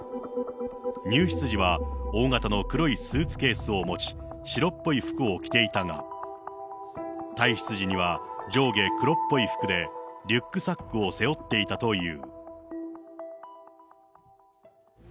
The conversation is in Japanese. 入室時は大型の黒いスーツケースを持ち、白っぽい服を着ていたが、退室時には上下黒っぽい服で、リュックサックを背負っていたという。